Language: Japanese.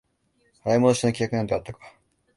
払い戻しの規約なんてあったか？